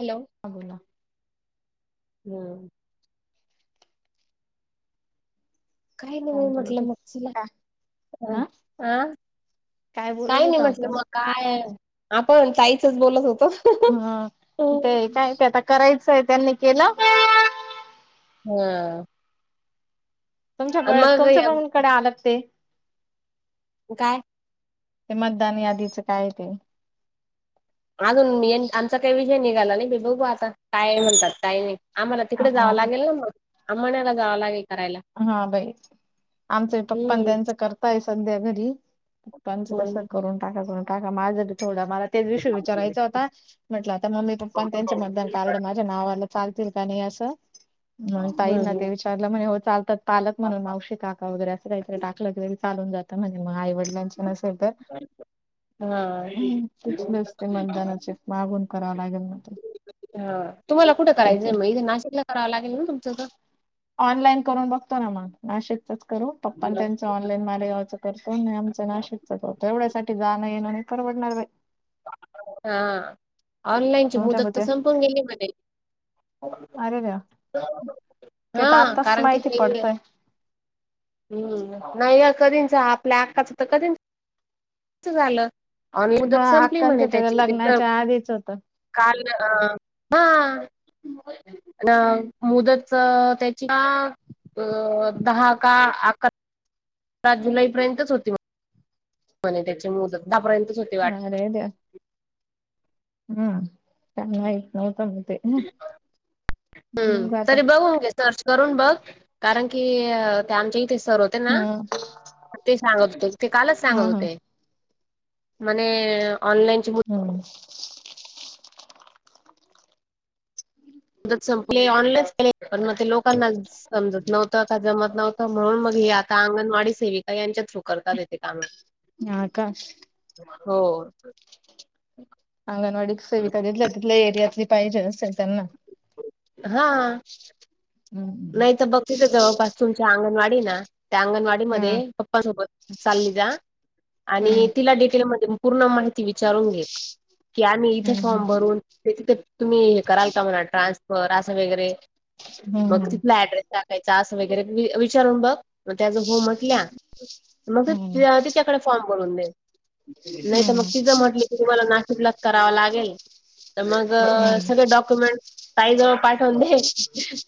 Hello. हा बोला. हम्म. काही नाही काय मी बोलत म्हटलं मग तिला हा आ. काय बोलत नाही होता म्हटलं आपण मग काय आपण ताईचच बोलत होतो. हां ते काय ते आता करायचंय त्यांनी केलं? हा. आणि तुमच्या मग तुमचं पणकडे आलं ते. काय? ते मतदान यादीचं काय ते. अजून मी आमचा काही विषय निघाला नाही बाई बघू आता काय म्हणतात काय नाही. आम्हाला तिकडं जावं हा लागेल ना मग आंनाला जावं लागेल करायला. हा बाई आमचे पप्पा हम्म त्यांचं करताय सध्या घरी. त्यांचं कस करून टाका करून टाका माझ्या थोडं मला त्याविषयी विचारयचा होता म्हटलं आता मम्मी पप्पा त्यांच मतदान कार्ड माझ्या नावाला चालतील का नाही असं ताईंना हम्म ते विचारलं म्हणे हो चाल पालक म्हणून मावशी काका वगैर असं टाकलं की ते चालून जातं म्हण म आईवडील त्यांचे नसेल तर. हा हम्म तचलेच ते मतदानाचे मागून करावं लागेल मध्ये ह तुम्हाला कुठं करायचंय मग इथे नाशिकला करावं लागेल ना तुमच त. ऑनलाईन करून बघतो ना मग नाशिकचच करू पप्पान त्यांच ऑनलाईन मालेगावच करतो नाही आमचं नाशिकचच होतो एवढ्यासाठी जाणं येणं नाही परवडणार बाई. हा ऑनलाईनची तुमच्या मुदत तर मते संपून गेली मधे. अरे देवा ते हा तर आत्ताच कारण कि माहिती ते पडतंय हम्म नाही कधीच आपल्या आक्काचं तर कधी च झालं आणि हा मुदत संपली म्हणे अक्कांचं त्याची ते लग्नाच्या आधीच होत काल अ हा. ना मुदतच त्याच्या अ दहा का अकरा जुलैपर्यंतच होती म. म्हणे त्याची मुदत दहा पर्यंतच होती. वाट अरे देवा. हम्म चांगला आहे तोवर जमतय. हम्म आता तरी बघून घे. सर्च करून बघ, कारण की ते आमच्या इथे सर हो ते ना हम्म ते सांगत होते ते कालच सांगत हम् हम होते. म्हणे ऑनलाइन ची मु हम्. मुदत संपलीये ऑनलाईनच केले पण मग ते लोकांना समजत नव्हतं का जमत नव्हत. म्हणून मग हे आता अंगणवाडी सेविका यांच्या थ्रू करतात येते काम. हा का. हो. अंगणवाडी सेविका जीथल्या तिथल्या एरियातली पाहिजे असेल त्यांना हां. हम्म. नाही तर बघ तिथे जवळपास तुमच्या अंगणवाडी ना त्या अंगणवाडी मध्ये हम् पप्पासोबत चालली जा, आणि हम् तिला डिटेल मध्ये पूर्ण माहिती विचारून घेे. कि आम्ही इथे फॉर्म भरून त्या तथ तुम्ही हे कराल का म्हणा ट्रान्सफर असं वगैरे [unintelligible] [inaudible] मग तिथला ऍड्रेस टाकायचा, असं वगैरे विचारून बघ, मग त्या जर हो म्हटल्या मग त हम्म तिच्याकडे फॉर्म भरून दे, नाही तर मग हम्म तिचं म्हटले तुम्हाला नाशिकलाच कराव लागेल, तर मग सगळे डॉक्युमेंट ताई जवळ पाठवून दे,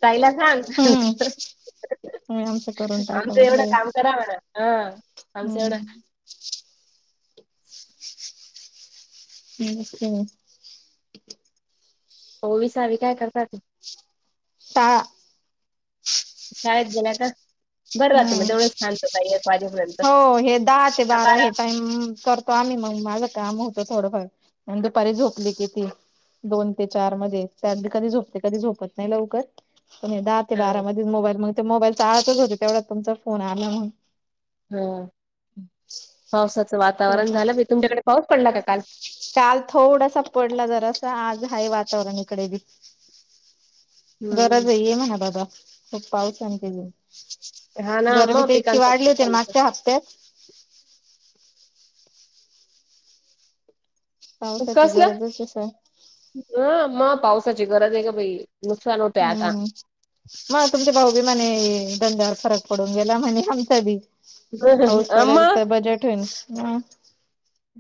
ताईला सांग. हम्म [unintelligible] तुम्ही आमचं करून टाका आमचं बरोबर एवढं आहे काम करा म्हणाव, हा. आमचं एवढं [unintelligible] ओवी सावी काय करतात? शाळा शाळेत गेल्या का? [unintelligible] बरं [inaudible] राहते मग हम्म! तेवढे शांतता एक वाजेपर्यंत हो, हे दहा ते बारा हे टाईम कर आम्ही मग माझं काम होतं थोडंफार, आणि दुपारी झोपली किती दोन ते चार मध्ये, त्या बी कधी झोपते, कधी झोपत नाही लवकर. पण दहा ते हं, बारामध्येच मोबाईल [unintelligible] मोबाईल चाळतच होते, तेवढा तुमचा फोन आला मग हा, पावसाचं वातावरण झालं, तुमच्याकडे पाऊस पडला का काल? काल थोडासा पडला जरा असा, आज आहे वातावरण इकडे बी. हम्म. गरज ये म्हणा ओ बाबा खूप पाऊस आणि, हम्म. हा [unintelligible] ना गरमी मग तर इतकी पिकांचं वाढली होती नुकसान ना होतं. मागच्या हप्त्यात पावसाची गरजच स हो, मग पावसाची गरजे ग बाई नुकसान होतंय आता हम्! मग तुमचे भाऊ बी म्हणे, दंद्यावर फरक पडून गेला म्हणे, आमचा बी पाऊस पडेल मग तर बजेट होईल,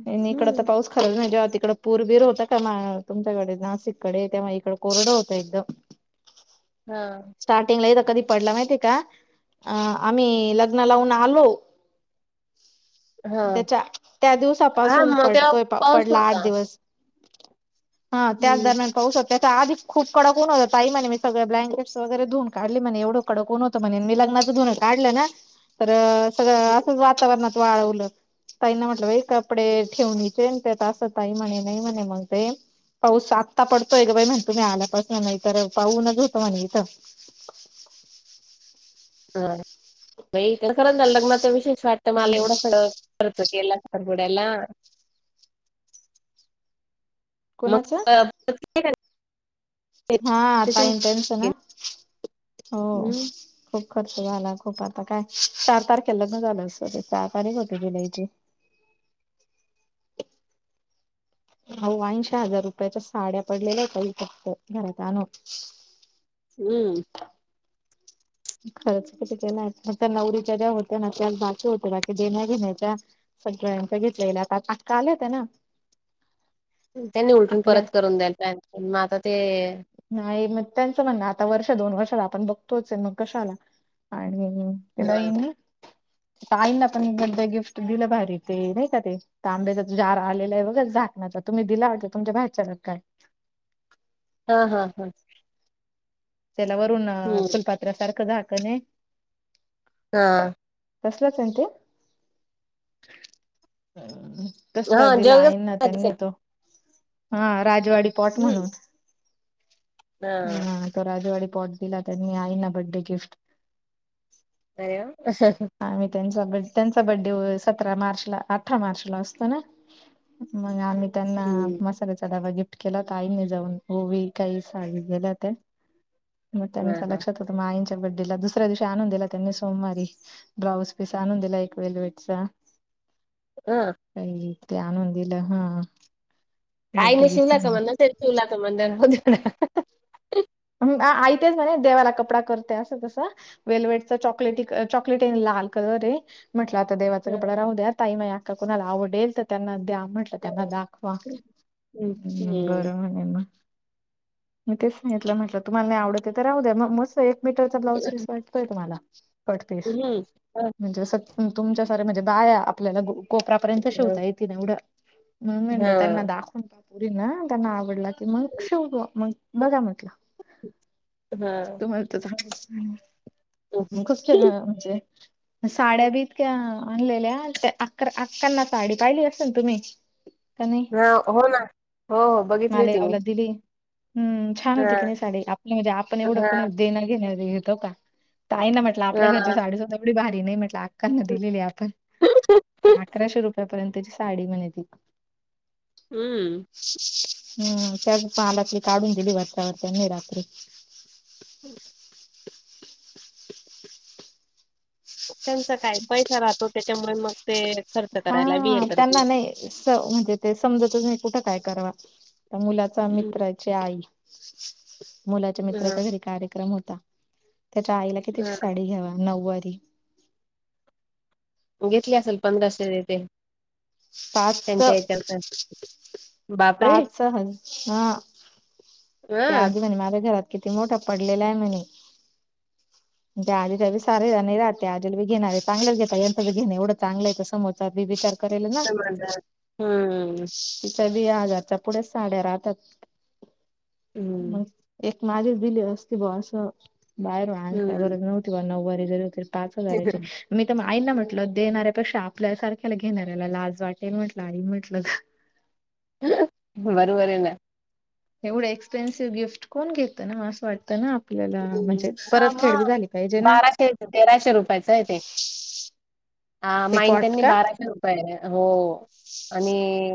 आणि इकड हम्म. तर पाऊस खरं मग जेव्हा तिकडं पूरबीर होतं का, तुमच्याकडे, नाशिककडे त्यामुळे इकडे कोरडं होत एकदम हा. स्टार्टिंगला इथं कधी पडला माहिती आहे का? आम्ही लग्न लावून आलो हा त्याच्या, त्या हा दिवसापासून मग तेव्हा पडतोय पाऊस पडला आठ होता दिवस. हा, त्याच हम्म. दरम्यान पाऊस होता तर, आधी खूप कडक ऊन होत ताई म्हणे, मी सगळे ब्लँकेट्स वैगेरे धुवून काढली म्हणे, एवढं कडंक उन होतं म्हणे, मी लग्नाच धुून काढलं ना तर सगळं असंच वातावरणात वाळवलं, ताईंना म्हटलं कपडे ठेवणीचे आणि ते अस ताई म्हणे, नाही म्हणे म्हण ते, पाऊस आत्ता पडतोय ग बाई म्हण मी आल्यापासून तर पाहून घेतो म्हण म्हणे इथं. हा, खरं झालं लग्नाचा विशेष वाटतं हम्म मला, एवढं सगळ खर्च केला साखरपुड्याला [unintelligible] कोणाचं अ [unintelligible] हा, ते तुम ताईन तेचं ना? हो. हम्म. खूप खर्च झाला, खूप आता काय, चार तारखे लग्न झालं असल, सहा तारीख होती ज्यूलईची. हो, ऐंशी हजार रुपयाच्या साड्या पडलेल्या होत्या इथ फक्त घरात आणून. हम्म! खरंच [unintelligible] नाही नवरीच्या ज्या होत्या ना, त्या बाकी होत्या बाकी देण्या घेण्याच्या सगळ्यांच घेतलेलं आता आक्का आलेत ना. त्यांनी उलटून आपल्या परत करून द्यायला मग आता ते नाही मग त्याचं म्हणणं आता वर्ष दोन वर्षाला आपण बघतोच मग कशाला आणि ते हा बाईं आईंना पण बडडे गिफ्ट दिलं बाहेर ते नाही का ते. तांब्याचा जो जार आलेला आहे बघा झाकणाचा तुम्ही दिला होता तुमच्या भायच्याला काय? हा हा हा. त्याला वरून हम्म फुलपात्र्या सारखं झााकणहे. हा. तसलंच हे ना ते? अ तसला हा दिला जग आईना त्यांनी तो. हा राजवाडी पॉट हम्म म्हणून. हा राजवाडी पॉट दिला त्यांनी आईना बड्डे गिफ्ट. अरे वा असं आ मी त्यांचा ब त्यांचा बड्डे सतरा मार्चला अठरा मार्चला असतो ना? मग आम्ही त्यांना हम्म. मसाला डबा गी फ्ट केला होता आईनी जाऊन ओवी का सवि गेल्या होत्या मग हा त्यांच्या हा लक्ष्यात मग आईच्या बड्डेला दुसऱ्या दिवशी आणून दिला त्यांनी सोमवारी. ब्राऊज पीस आणून दिला एक वेलवेटचा. अ. काही ते आण आणून दिलं हा. बड्डे आईनी गिफ्ट शिवला का म्हणून म्हण ठेव तुला म्हणलं राहूदे तुला. हम्म बा आई तेच म्हणे देवाला कपडा करतेय असं तसं वेलवेट चॉकलेटी क चॉक लेटी आणि लाल कलरहे म्हटलं आता देवाचा हम्म कपडा राहू द्या ताई माय का कुणाला आवडेल तर त्यांना म्हंट त्यांना दाखवा एम हम्म बरं म्हणे मग मग तेच म्ह म्हटलं तुम्हाला नाही आवडत तर राह द्या मग मस्त एक मीटरचा ब्लाऊज पीस भेटतोय तुम्हाला. कट पीस म्हणजे तुमच्या सार्या म्हणजे बाया आपल्याला कोपऱ्या पर्यंत हम्म. शिवता येईल. [unintelligible] मग हा म्हणलं त्यांना दाख [unintelligible] त्यांना आवडला की मग शीव बॉ मग बघा म्हटलं. हा तुम्हाला [inaudible] तर कस म्हणजे? साड्या बी इतक्या आणलेल्या त्या अकरा अक्कांना साडी पाहिली असेल तुम्ही? त्यांनी हा हो ना हो हो बघितली होती मी मालेगावला दिली. हम्म छान हा होती की नाही साडी आपल्या म्हणजे आपण एवढं हा देणार घेणार घेतो का तई ना म्हटलं आपल्या घरची हा साडीसधा एवढी भारी नाही म्हटलं. कश्या दिलेली आपण ते अकराशे रुपयापर्यंतची साडी म्हणे ती. हम्म. हम्म त्या पाहालातली काढून दिली [unintelligible] नाही रात्र. [inaudible] [inaudible] त्यांचा काय पैसा राहतो त्याच्यामुळे मग ते खर्च करायला बी हे हा करत त्यांना नाही नाय स म्हणजे ते समजतच नाही कुठं काय करवा तर मुलाचा मित्राची आई. मुलाच्या मित्राचा ह घरी कार्यक्रम होता त्याच्या आईला कितीची ह साडी घ्यावा नऊवारी? घेतली असेल पंधरा [unintelligible] पाच बापरे पाच हज हा. हा ते आधी म्हणे माझ्या घरात किती मोठा पडलेला आहे म्हणे. आजीच्या वि सार नाही राह आजी बघेनणार आहे चांगलंच घेात यंत बघेन आहे एवढं चांगलं येत समोर. चा बी विचार करेल ना. हम्म. तिचा व हजारच्या पुढे साड्या राहतात. हम्म माझी दिली असते बा असं बाहेर आण काय हम्म बरत नव्हती बा नऊवारी जरी होती. पाच हजाराची. मी तर आईना म्हटल देणाऱ्यापेक्षा आपल्या सारख्याला घेणाऱ्याला लाज वाटेल म्हटलं आई म्हटलं. बरबरे हे ना. एवढं एक्सपेन्सिव्ह गिफ्ट कोण घेत ना असं वाटतं ना आप ''--'' आपल्याला म्हणजे हा परत फेडवी मग झाली पाहिजे ना. बाराशे तेराशे रुपयाचं आहे ते ह ते माईन पॉट त्यांनी का बाराशे रुप''--'' य पण हो. आणि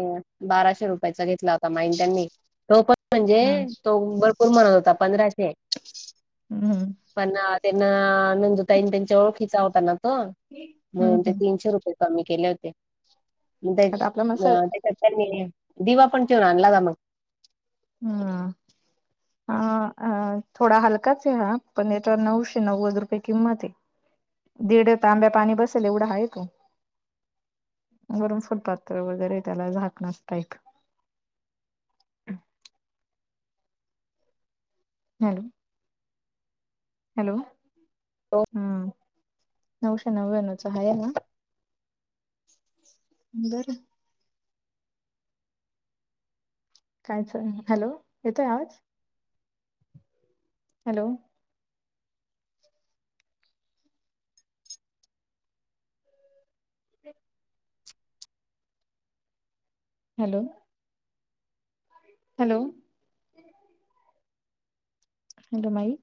बाराशे रुपयाचा घेतला होता माइन त्यांनी तो पण म्हणजे हम्म तो भरपूर म्हणत होता पंधराशे. हम्. पण त्यांना नंदूताईन त्यांच्या वेळ खिचा होता ना तो म्हणून ते हम्म तीनशे रुपये. कमी केले होते आता आपला मसाला त्याच्यानी [unintelligible] दिवा पण ठेवन आणला होता मग. हा आ, हा हा थोडा हलकाच आहे हा पण याच्या नऊशे नव्वद रुपये किंमत आहे. दीड तांब्या पाणी बसेल एवढा आहे तो. वरून फुटपातथ वगैरे त्याला झाकणसत टाईप. हॅलो, हॅलो हा, नऊशे नव्या्णवच आहे ना. कायच हॅलो येतोय आवाज हॅलो. हॅलो, हॅलो, हॅलो माई.